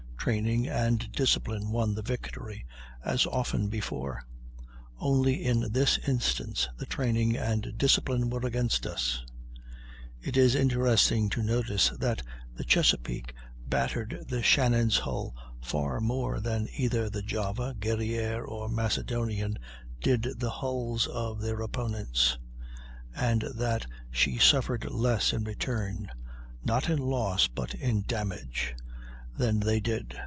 Training and discipline won the victory, as often before; only in this instance the training and discipline were against us. It is interesting to notice that the Chesapeake battered the Shannon's hull far more than either the Java, Guerrière, or Macedonian did the hulls of their opponents, and that she suffered less in return (not in loss but in damage) than they did.